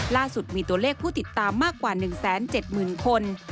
ล่าสุดมีตัวเลขผู้ติดตามมากกว่า๑๗๐๐๐คน